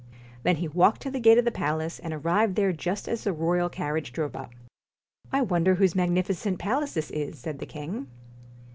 Then he walked to the gate of the palace, and arrived there just as the royal carriage drove up. ' I wonder whose magnificent palace this is? ' said the king.